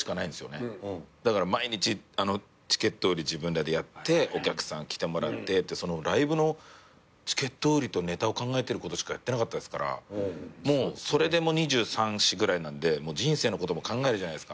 だから毎日チケット売り自分らでやってお客さん来てもらってってそのライブのチケット売りとネタを考えてることしかやってなかったですからそれで２３２４ぐらいなんで人生のことも考えるじゃないですか。